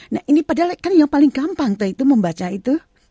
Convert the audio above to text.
nah ini padahal kan yang paling gampang tuh membaca itu